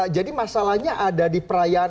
jadi masalahnya ada di perayaan